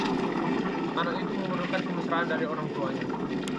anak itu memerlukan kemesraan dari orang tuanya